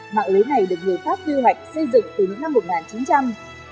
mạng lưới này được người pháp tiêu hạch xây dựng từ những năm một nghìn chín trăm linh